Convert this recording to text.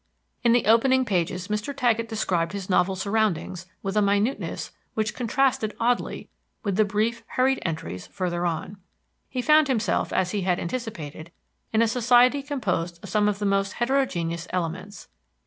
In the opening pages Mr. Taggett described his novel surroundings with a minuteness which contrasted oddly with the brief, hurried entries further on. He found himself, as he had anticipated, in a society composed of some of the most heterogeneous elements.